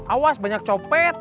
awas banyak copet